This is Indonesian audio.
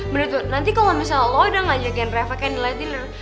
menurut lo nanti kalo misalnya lo udah ngajakin reva candlelight dinner